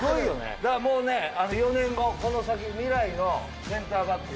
だからもうね４年後この先未来のセンターバックは。